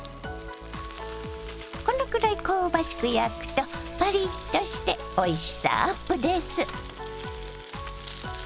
このくらい香ばしく焼くとパリッとしておいしさアップです。